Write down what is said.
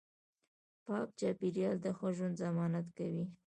پاک چاپیریال د ښه ژوند ضمانت کوي